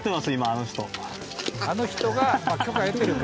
「あの人が許可得てるから」